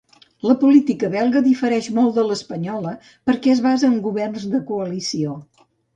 La política Belga difereix molt de l'espanyola perquè es basa en governs de coalició.